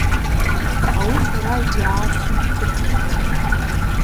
Ауи сара йыгьгӏасымхъвыцтӏ.